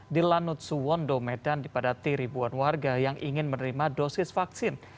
di lanut suwondo medan dipadati ribuan warga yang ingin menerima dosis vaksin